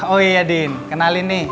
oh iya din kenalin nih